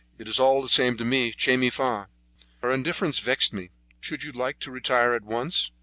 "It is all the same to me. 'Che mi fa'!" Her indifference vexed me. "Should you like to retire at once?"